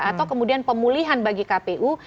atau kemudian pemulihan bagi kpu